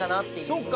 そっか。